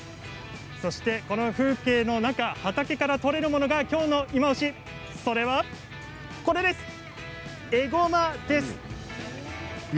そしてこの風景の中畑から取れるものが今日のいまオシ、それがこれです。